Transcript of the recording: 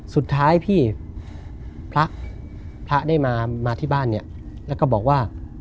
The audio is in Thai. สุดท้ายพระได้มาที่บ้านนี่แล้วก็บอกว่า